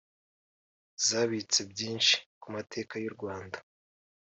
zabitse byinshi ku mateka y’u Rwanda